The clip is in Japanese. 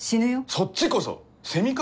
そっちこそセミか？